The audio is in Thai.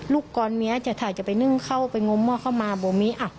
ลูกกรเมียจะถ่ายจะไปนึ่งเข้าไปงมหม้อเข้ามาบอกมี